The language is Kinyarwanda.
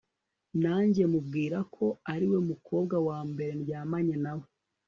najye mubwira ko ariwe mukobwa wambere ndyamanye nawe